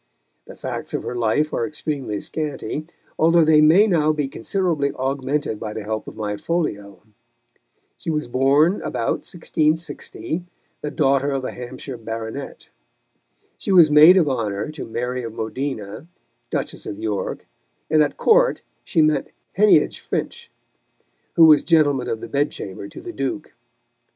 The facts of her life are extremely scanty, although they may now be considerably augmented by the help of my folio. She was born about 1660, the daughter of a Hampshire baronet. She was maid of honour to Mary of Modena, Duchess of York, and at Court she met Heneage Finch, who was gentleman of the bed chamber to the Duke.